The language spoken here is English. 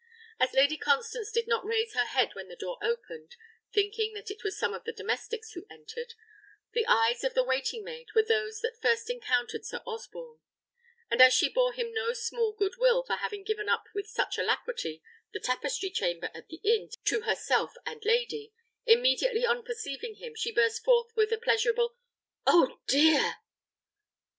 As Lady Constance did not raise her head when the door opened, thinking that it was some of the domestics who entered, the eyes of the waiting maid were those that first encountered Sir Osborne; and as she bore him no small goodwill for having given up with such alacrity the tapestry chamber at the inn to herself and lady, immediately on perceiving him she burst forth with a pleasurable "Oh dear!"